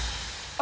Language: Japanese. あ